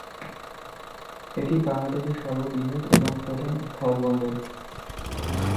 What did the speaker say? এটি বাংলাদেশের সর্ববৃহৎ এবং প্রধান স্থল বন্দর।